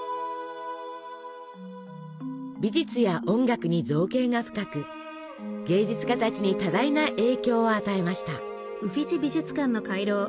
美術や音楽に造詣が深く芸術家たちに多大な影響を与えました。